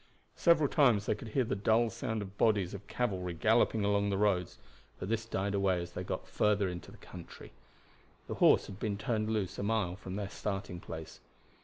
Several times they could hear the dull sound of bodies of cavalry galloping along the roads; but this died away as they got further into the country. The horse had been turned loose a mile from their starting place.